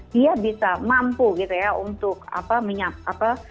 dia bisa mampu gitu ya untuk apa minyak apa mampu